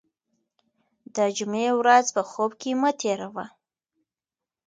د جمعې ورځ په خوب کې مه تېروه.